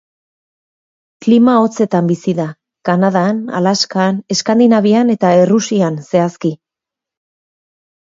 Klima hotzetan bizi da: Kanadan, Alaskan, Eskandinavian eta Errusian zehazki.